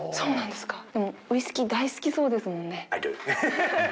でもウイスキー、大好きそうですもんね。